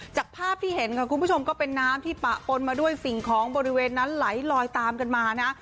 จากภาพที่เห็นค่ะคุณผู้ชมก็เป็นน้ำที่ปะปนมาด้วยสิ่งของบริเวณนั้นไหลลอยตามกันมานะ